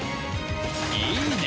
いいね！